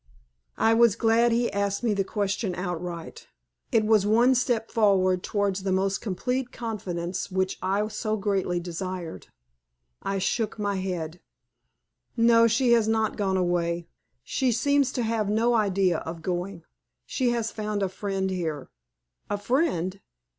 I was glad he asked me the question outright. It was one step forward towards the more complete confidence which I so greatly desired. I shook my head. "No, she has not gone away. She seems to have no idea of going. She has found a friend here." "A friend?"